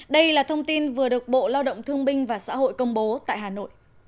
đây là thông tin vừa được bộ lao động thương binh và xã hội công bố tại hà nội